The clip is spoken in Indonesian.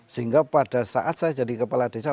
sehingga pada saat saya jadi kepala desa